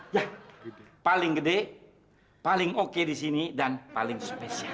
ya paling gede paling oke di sini dan paling spesial